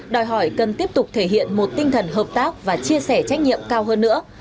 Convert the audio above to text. đòi hỏi cần tiếp tục thể hiện một tinh thần hợp tác và chia sẻ trách nhiệm cao hơn nữa